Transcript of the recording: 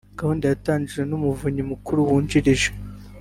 Gahunda yatangijwe n’Umuvunyi Mukuru wungirije